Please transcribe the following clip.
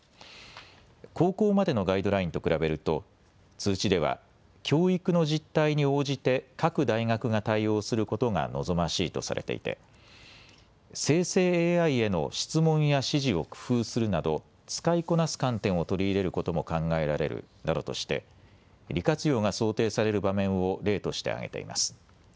高校までのガイドラインと比べると通知では教育の実態に応じて各大学が対応することが望ましいとされていて生成ＡＩへの質問や指示を工夫するなど使いこなす観点を取り入れることも考えられるなどとして利活用が想定される場面を例として挙げています。